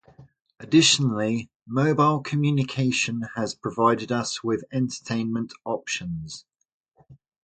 Additionally, mobile communication has provided us with entertainment options.